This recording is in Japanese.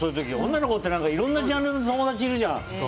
女の子っていろんなジャンルの友達いるじゃん。